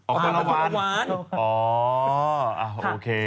ออกมาละวันอ๋อโอเค